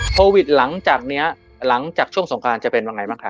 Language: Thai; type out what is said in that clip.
โควิดหลังจากนี้หลังจากช่วงสงการจะเป็นยังไงบ้างคะ